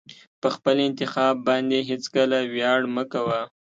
په خپل انتخاب باندې هېڅکله ویاړ مه کوه.